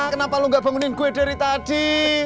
kenapa lo gak bangunin kue dari tadi